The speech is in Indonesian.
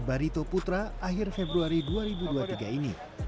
barito putra akhir februari dua ribu dua puluh tiga ini